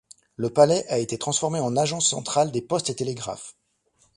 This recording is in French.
Le palais a été transformé en Agence centrale des Postes et Télégraphes.